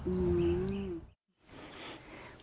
อืม